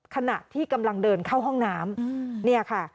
ขณะที่กำลังเดินเข้าห้องน้ำเนี่ยค่ะ